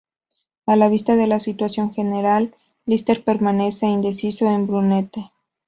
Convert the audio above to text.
A la vista de la situación general, Líster permanece indeciso en Brunete.